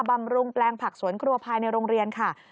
บำรุงแปลงผักสวนครัวภายในโรงเรียนค่ะ